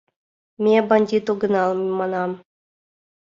— Ме бандит огынал, — манам.